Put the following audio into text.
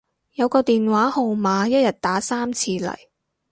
有個電話號碼一日打三次嚟